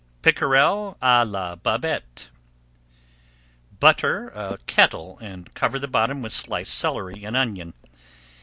PICKEREL À LA BABETTE Butter a kettle and cover the bottom with sliced celery and onion.